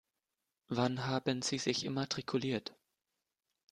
Wann haben Sie sich immatrikuliert?